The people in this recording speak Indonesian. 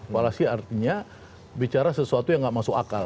walasi artinya bicara sesuatu yang nggak masuk akal